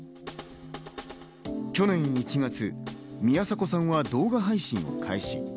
去年１月、宮迫さんは動画配信を開始。